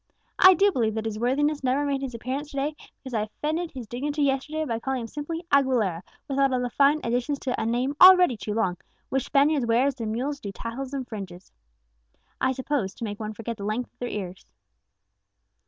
I do believe that his worthiness never made his appearance to day, because I offended his dignity yesterday by calling him simply 'Aguilera,' without all the fine additions to a name already too long, which Spaniards wear as their mules do tassels and fringes, I suppose, to make one forget the length of their ears!"